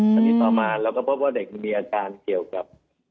ตอนนี้ต่อมาเราก็พบว่าเด็กมีอาการเกี่ยวกับ